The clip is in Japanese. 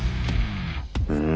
うん。